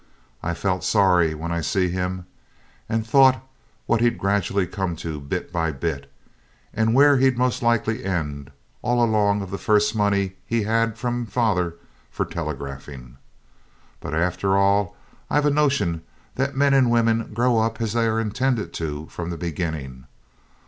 I felt sorry when I see him, and thought what he'd gradually come to bit by bit, and where he'd most likely end, all along of the first money he had from father for telegraphing. But after all I've a notion that men and women grow up as they are intended to from the beginning.